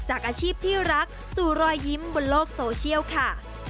อาชีพที่รักสู่รอยยิ้มบนโลกโซเชียลค่ะ